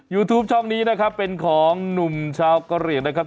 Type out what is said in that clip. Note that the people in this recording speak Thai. ยูทูปช่องนี้นะครับเป็นของหนุ่มชาวกะเหลี่ยงนะครับ